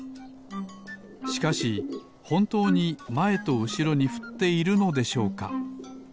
しかしほんとうにまえとうしろにふっているのでしょうか？